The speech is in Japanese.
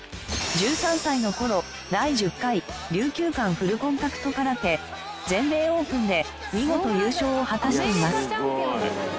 １３歳の頃第１０回竜球館フルコンタクト空手全米オープンで見事優勝を果たしています。